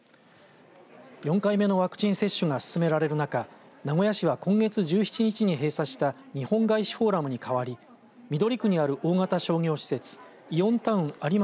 ４回目のワクチン接種が進められる中名古屋市は今月１７日に閉鎖した日本ガイシフォーラムに代わり緑区にある大型商業施設イオンタウン